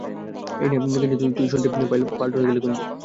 এই নে গুঞ্জু - তুই সত্যিই পাইলট হয়ে গেলি, গুঞ্জু।